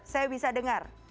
saya bisa dengar